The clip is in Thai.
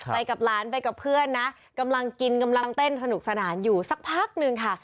ไปกับหลานไปกับเพื่อนนะกำลังกินกำลังเต้นสนุกสนานอยู่สักพักหนึ่งค่ะ